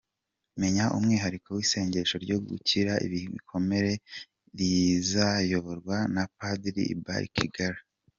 Menya umwihariko w’ isengesho ryo gukira ibikomere rizayoborwa na Padiri Ubald i Kigali.